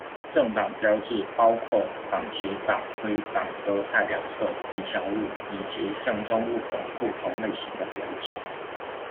政党标志包括党旗、党徽、党歌、代表色、吉祥物以及象征物等不同类型的标志。